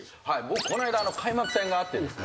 この間開幕戦があってですね